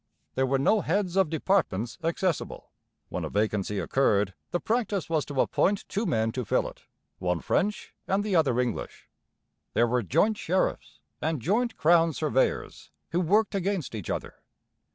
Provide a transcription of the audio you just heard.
There were no heads of departments accessible. When a vacancy occurred, the practice was to appoint two men to fill it, one French and the other English. There were joint sheriffs, and joint crown surveyors, who worked against each other.